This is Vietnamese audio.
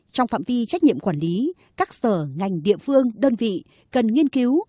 trong phạm vi trách nhiệm quản lý các sở ngành địa phương đơn vị cần nghiên cứu